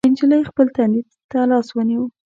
نجلۍ خپل تندي ته لاس ونيو.